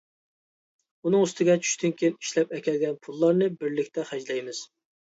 ئۇنىڭ ئۈستىگە چۈشتىن كېيىن ئىشلەپ ئەكەلگەن پۇللارنى بىرلىكتە خەجلەيمىز.